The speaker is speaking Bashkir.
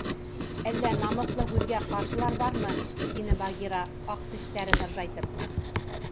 — Әллә намыҫлы һүҙгә ҡаршылар бармы? — тине Багира, аҡ тештәрен ыржайтып.